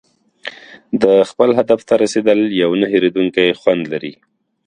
د خپل هدف ته رسېدل یو نه هېریدونکی خوند لري.